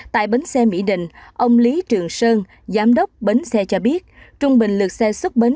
tại bến xe mỹ đình ông lý trường sơn giám đốc bến xe cho biết trung bình lượt xe xuất bến